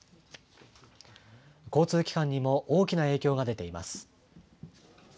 交通機関にも大きな影響が出ています。